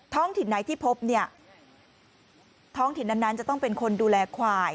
ถิ่นไหนที่พบเนี่ยท้องถิ่นนั้นจะต้องเป็นคนดูแลควาย